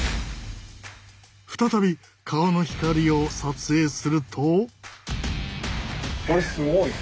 再び顔の光を撮影すると。